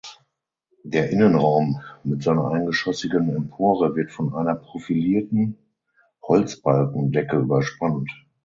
Der Innenraum mit seiner eingeschossigen Empore wird von einer profilierten Holzbalkendecke überspannt.